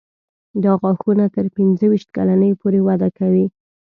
دا غاښونه تر پنځه ویشت کلنۍ پورې وده کوي.